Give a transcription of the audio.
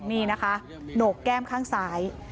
นี่นะคะโหนกแก้มข้างซ้าย